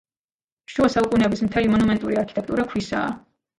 შუა საუკუნეების მთელი მონუმენტური არქიტექტურა ქვისაა.